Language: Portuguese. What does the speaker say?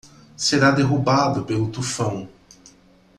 Será derrubado pelo tufão